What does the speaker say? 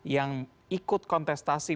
yang ikut kontestasi